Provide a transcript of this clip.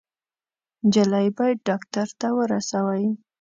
_نجلۍ بايد ډاکټر ته ورسوئ!